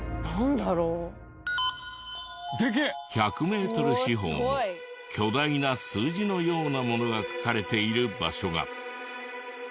１００メートル四方の巨大な数字のようなものが書かれている場所が。